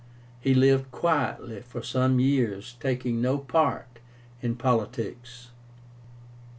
He lived quietly for some years, taking no part in politics.